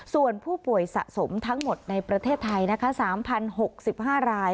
ส่วนผู้ป่วยสะสมทั้งหมดในประเทศไทยนะคะสามพันหกสิบห้าราย